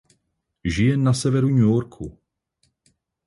Žije na severu New Yorku.